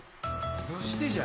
どうしてじゃ？